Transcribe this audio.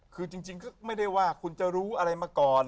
คือจริงก็ไม่ได้ว่าคุณจะรู้อะไรมาก่อน